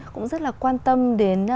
cũng rất là quan tâm đến